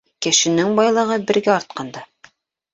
Кешенең байлығы бергә артҡанда